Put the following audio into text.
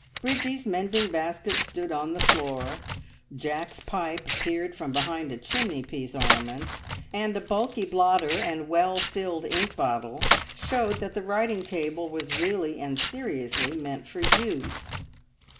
Bridgie's mending basket stood on the floor, Jack's pipe peered from behind a chimney piece ornament, and a bulky blotter and well filled ink bottle showed that the writing table was really and seriously meant for use.